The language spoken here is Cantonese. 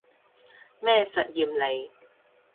咩實驗嚟